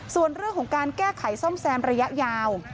ส่วนเรื่องของการแก้ไขซ่อมแซมระยะยาว